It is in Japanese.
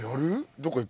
どっか行く？